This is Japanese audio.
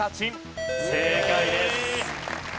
正解です。